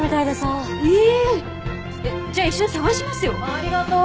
ありがとう。